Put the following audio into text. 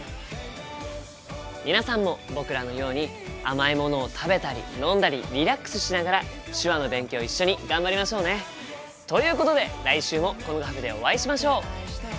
皆さんも僕らのように甘いものを食べたり飲んだりリラックスしながら手話の勉強一緒に頑張りましょうね！ということで来週もこのカフェでお会いしましょう！